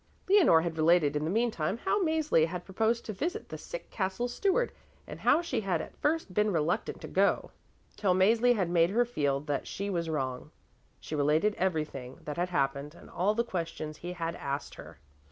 Leonore had related in the meantime how Mäzli had proposed to visit the sick Castle Steward and how she had at first been reluctant to go, till Mäzli had made her feel that she was wrong. She related everything that had happened and all the questions he had asked her.